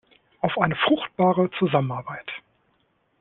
Auf eine fruchtbare Zusammenarbeit!